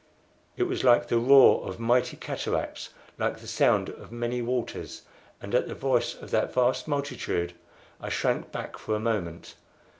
It was like the roar of mighty cataracts, like the sound of many waters; and at the voice of that vast multitude I shrank back for a moment.